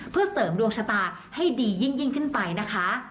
เพื่อเสริมดวงชะตาให้ดียิ่งขึ้นไปนะคะ